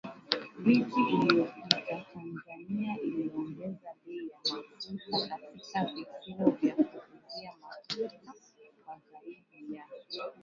Wiki iliyopita Tanzania iliongeza bei ya mafuta katika vituo vya kuuzia mafuta kwa zaidi ya